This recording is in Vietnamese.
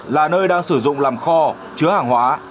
là nơi đang sử dụng làm kho chứa hàng hóa